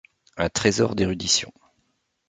Un trésor d’érudition.